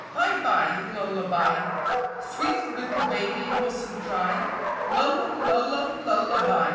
Bye, bye, lullaby; Sweet little baby mustn't cry; Lulla, lulla, lullaby.